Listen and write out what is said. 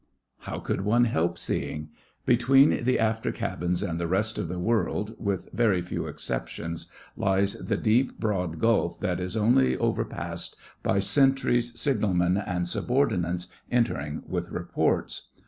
How could one help seeing? Between the after cabin and the rest of the world (with very few exceptions) lies the deep broad gulf that is only overpassed by sentries, signalmen, and subordinates entering with reports.